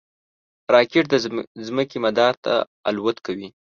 راکټ د ځمکې مدار ته الوت کوي